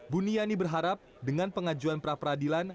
buniani berharap dengan pengajuan pra peradilan